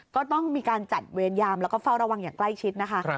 ก็ต้องมีการจัดเวรยามแล้วก็เฝ้าระวังอย่างใกล้ชิดนะคะ